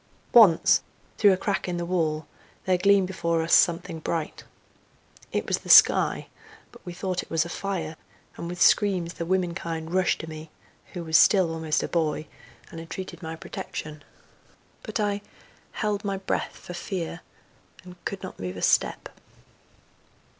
Once, through a crack in the wall, there gleamed before us something bright. It was the sky, but we thought it was a fire, and with screams the womenkind rushed to me, who was still almost a boy, and entreated my protection. But I—held my breath for fear, and could not move a step.